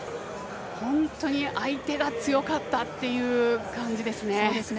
本当に相手が強かったという感じですね。